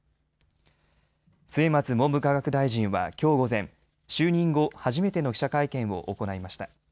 末松文部科学大臣はきょう午前、就任後、初めての記者会見を行いました。